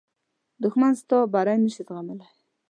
دښمن ستا بری نه شي زغملی